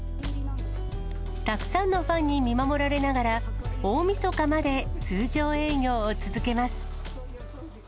たくさんのファンに見守られながら、大みそかまで通常営業を続けます。